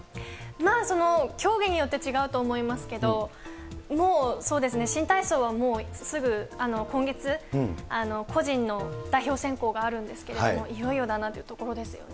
まあ競技によって違うと思いますけど、もう、そうですね、新体操はもうすぐ、今月、個人の代表選考があるんですけれども、いよいよだなというところですよね。